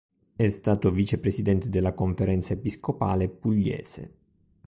È stato vicepresidente della Conferenza episcopale pugliese.